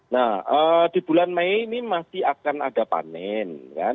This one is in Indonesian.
nah di bulan mei ini masih akan ada panen